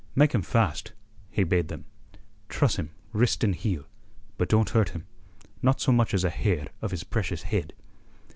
"Make him fast," he bade them. "Truss him, wrist and heel, but don't hurt him not so much as a hair of his precious head."